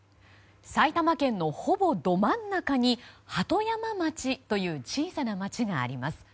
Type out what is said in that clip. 埼玉県のほぼど真ん中に鳩山町という小さな町があります。